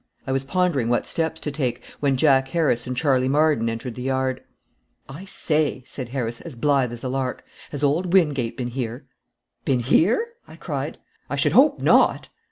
I was pondering what steps to take, when Jack Harris and Charley Marden entered the yard. "I say," said Harris, as blithe as a lark, "has old Wingate been here?" "Been here?" I cried, "I should hope not!"